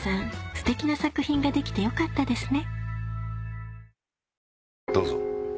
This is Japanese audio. ステキな作品ができてよかったですね